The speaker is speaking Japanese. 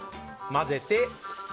混ぜて。